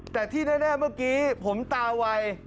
แต่ที่แน่เมื่อกี้ผมตาไว